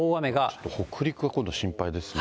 ちょっと北陸が今度心配ですね。